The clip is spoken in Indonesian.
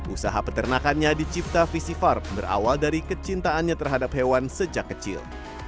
usaha peternakannya dicipta visi far berawal dari kecintaannya terhadap hewan sejak kecil